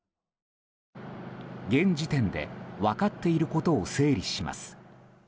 現時点で分かっていることを整理します。